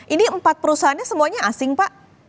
ini empat perusahaannya semuanya asing pak